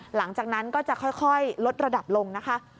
หลังจากนั้นก็จะค่อยลดระดับลงนะคะ